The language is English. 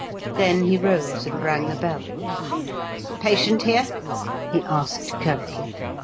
Then he rose and rang the bell. "Patient here?" he asked curtly.